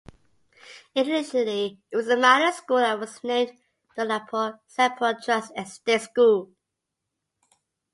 Initially, it was a minor school and was named Daulatpur-Saidpur Trust Estate School.